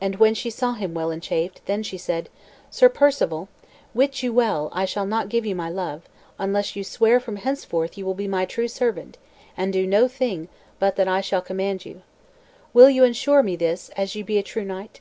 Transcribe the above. And when she saw him well enchafed, then she said, "Sir Perceval, wit you well I shall not give ye my love, unless you swear from henceforth you will be my true servant, and do no thing but that I shall command you. Will you insure me this, as ye be a true knight?"